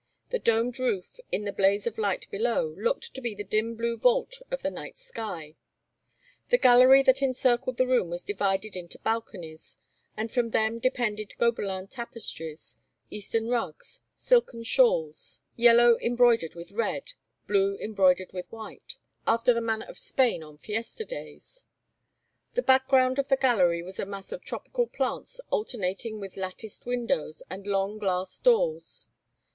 The domed roof, in the blaze of light below, looked to be the dim blue vault of the night sky. The gallery that encircled the room was divided into balconies, and from them depended Gobelin tapestries, Eastern rugs, silken shawls yellow embroidered with red, blue embroidered with white after the manner of Spain on festa days. The background of the gallery was a mass of tropical plants alternating with latticed windows and long glass doors.